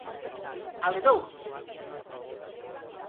aledouse.